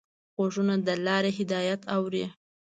غوږونه د لارې هدایت اوري